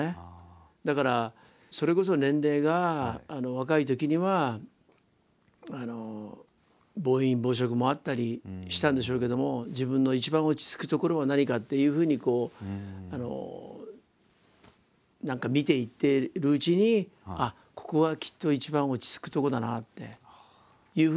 だからそれこそ年齢が若いときには暴飲暴食もあったりしたんでしょうけども自分の一番落ち着くところは何かっていうふうに何か見ていってるうちにここはきっと一番落ち着くとこだなっていうふうになったんでしょうね。